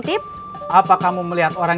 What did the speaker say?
ya udah aku mau pulang